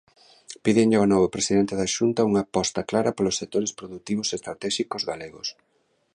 Pídenlle ao novo presidente da Xunta unha aposta clara polos sectores produtivos estratéxicos galegos.